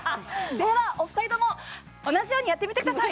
ではお二人とも同じようにやってみてください！